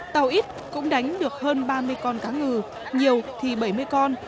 tàu ít cũng đánh được hơn ba mươi con cá ngừ nhiều thì bảy mươi con